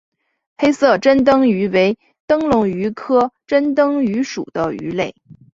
黑色珍灯鱼为灯笼鱼科珍灯鱼属的鱼类。